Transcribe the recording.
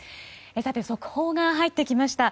速報が入ってきました。